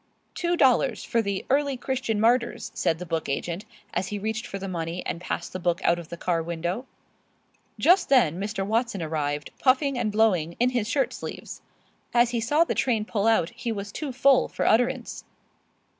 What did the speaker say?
"Two dollars, for the 'Early Christian Martyrs,'" said the book agent, as he reached for the money and passed the book out of the car window. Just then Mr. Watson arrived, puffing and blowing, in his shirt sleeves. As he saw the train pull out he was too full for utterance.